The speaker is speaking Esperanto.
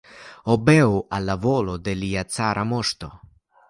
Obeu al la volo de lia cara moŝto!